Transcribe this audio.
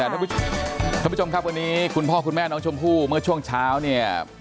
ท่านผู้ชมครับวันนี้คุณพ่อคุณแม่น้องชมพู่เมื่อช่วงเช้าเนี่ย